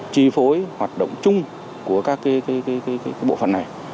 chi phối hoạt động chung của các bộ phận này